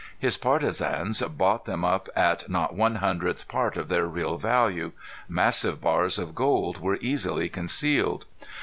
His partisans bought them up at not one hundredth part of their real value. Massive bars of gold were easily concealed.